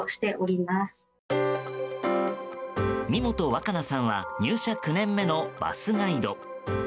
味元若菜さんは入社９年目のバスガイド。